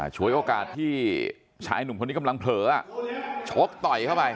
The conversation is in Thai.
ฉวยโอกาสที่ชายหนุ่มคนนี้กำลังเผลอชกต่อยเข้าไป